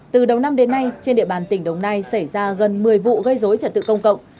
từ đầu năm đến nay trên địa bàn tỉnh đồng nai xảy ra gần một mươi vụ gây dối trật tự công cộng